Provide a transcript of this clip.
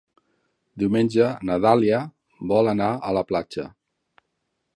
Diumenge na Dàlia vol anar a la platja.